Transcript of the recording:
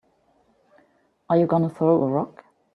Are you gonna throw a rock?